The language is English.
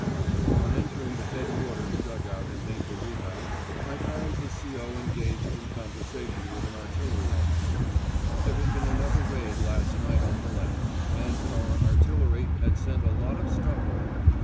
On entering the Headquarters' dug out in Maple Redoubt, I found the C.O. engaged in conversation with an artillery officer: there had been another raid last night on the left, and our artillery had sent a lot of stuff over.